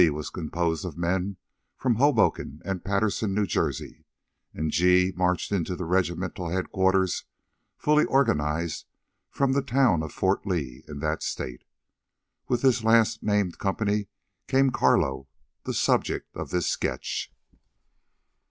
C was composed of men from Hoboken and Paterson, New Jersey, and G marched into the regimental headquarters fully organized from the town of Fort Lee in that State. With this last named company came Carlo, the subject of this sketch.